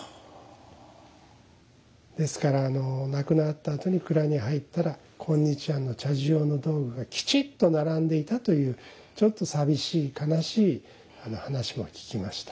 ですからあの亡くなったあとに蔵に入ったら今日庵の茶事用の道具がきちっと並んでいたというちょっと寂しい悲しい話も聞きました。